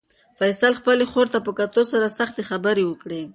فیصل خپلې خور ته په کتو سره سختې خبرې وکړې.